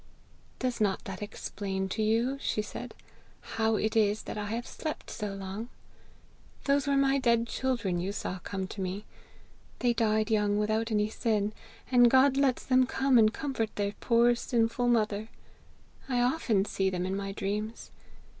'Does not that explain to you,' she said, 'how it is that I have slept so long? Those were my dead children you saw come to me. They died young, without any sin, and God lets them come and comfort their poor sinful mother. I often see them in my dreams.